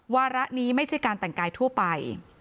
วาระนี้ไม่ใช่การแต่งกายทั่วไป